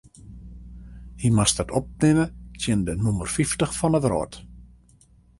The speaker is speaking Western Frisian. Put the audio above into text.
Hy moast it opnimme tsjin de nûmer fyftich fan de wrâld.